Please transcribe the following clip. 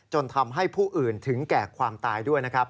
จนทำให้ผู้อื่นถึงแก่ความตายด้วยนะครับ